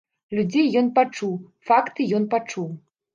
Людзей ён пачуў, факты ён пачуў.